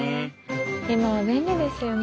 今は便利ですよね。